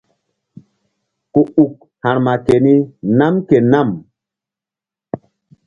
Ku uk ha̧rma keni nam ke nam.